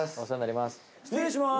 失礼します。